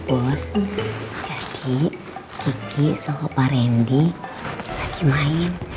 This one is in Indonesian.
boss jadi kiki sama pak randy lagi main